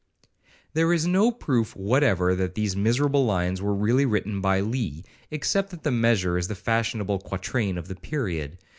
There is no proof whatever that these miserable lines were really written by Lee, except that the measure is the fashionable quatrain of the period.